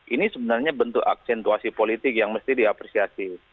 ini sebenarnya bentuk aksentuasi politik yang mesti diapresiasi